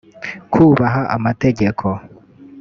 kubaha amategeko